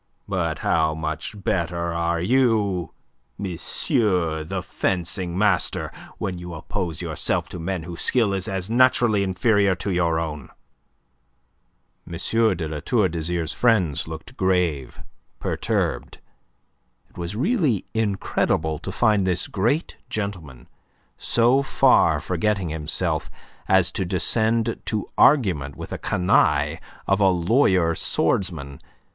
But how much better are you, M. the fencing master, when you oppose yourself to men whose skill is as naturally inferior to your own!" M. de La Tour d'Azyr's friends looked grave, perturbed. It was really incredible to find this great gentleman so far forgetting himself as to descend to argument with a canaille of a lawyer swordsman.